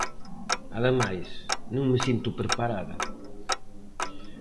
Ademais, non me sinto preparada.